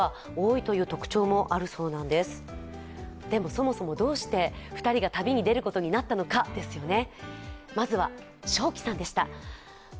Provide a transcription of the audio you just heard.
そもそもどうして２人が旅に出ることになったのかですよね。